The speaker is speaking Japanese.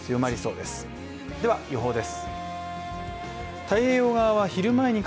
では予報です。